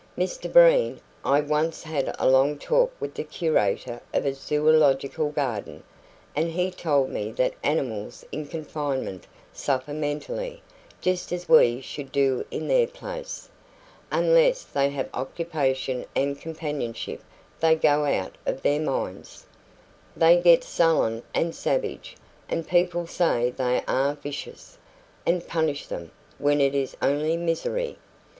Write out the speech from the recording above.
Mr Breen, I once had a long talk with the curator of a zoological garden, and he told me that animals in confinement suffer mentally, just as we should do in their place. Unless they have occupation and companionship they go out of their minds. They get sullen and savage, and people say they are vicious, and punish them, when it is only misery.